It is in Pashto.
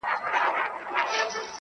له حیا له حُسنه جوړه ترانه یې,